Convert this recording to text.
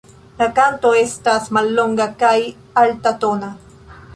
La kanto estas mallonga kaj altatona.